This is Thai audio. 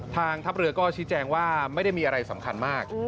ทางทัพเรือก็ชี้แจงว่าไม่ได้มีอะไรสำคัญมาก